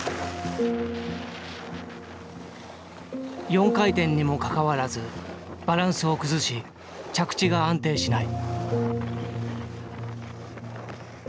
４回転にもかかわらずバランスを崩し着地が安定しない。